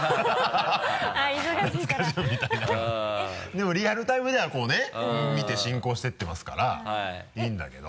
でもリアルタイムではこうね見て進行していってますからいいんだけど。